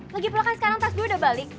lagi pulang kan sekarang tas gue udah balik